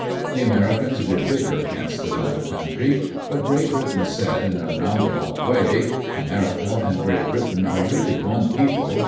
The Americans were bitter against the mother country. But Great Britain said, in a roundabout way: America and Great Britain are really one people.